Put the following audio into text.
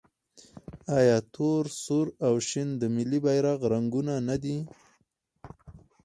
آیا تور، سور او شین د ملي بیرغ رنګونه نه دي؟